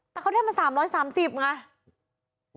แต่เขาได้มา๓๓๐ไง